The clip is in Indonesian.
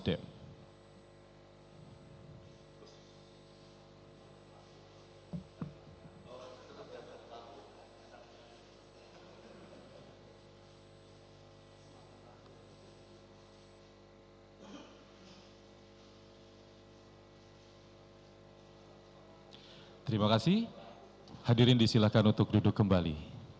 terima kasih hadirin disilahkan untuk duduk kembali